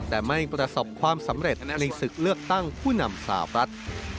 แต่ไม่ประสบความสำเร็จในศึกเลือกตั้งผู้นำสาวรัฐ